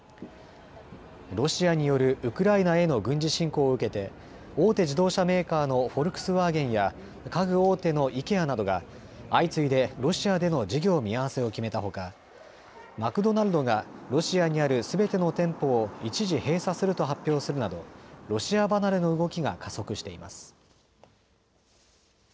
ロシアによるウクライナへの軍事侵攻を受けて大手自動車メーカーのフォルクスワーゲンや家具大手のイケアなどが相次いでロシアでの事業見合わせを決めたほかマクドナルドがロシアにあるすべての店舗を一時閉鎖すると発表するなどロシア離れの動きが加速しています。